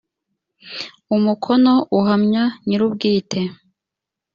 umukono uhamya nyirubwite.